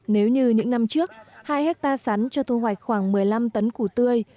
nếu như những năm trước hai hectare sắn cho thu hoạch khoảng một mươi năm tấn củ tươi